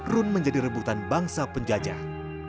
run menjadi rebutan bangsa penjajah